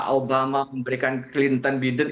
obama memberikan clinton biden